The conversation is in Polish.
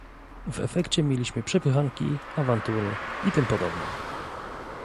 W efekcie mieliśmy przepychanki, awantury i tym podobne